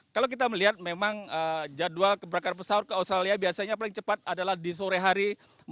kalau kita melihat memang jadwal keberakan pesawat ke australia biasanya paling cepat adalah di sore hari